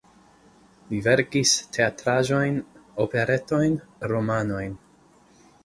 Li verkis teatraĵojn, operetojn, romanojn.